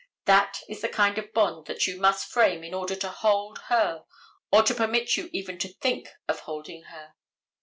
That is the kind of bond that you must frame in order to hold her or to permit you even to think of holding her.